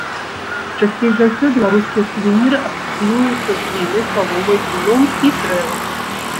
Часцей за ўсё беларускія сувеніры асацыююцца з глінай, саломай, ільном і дрэвам.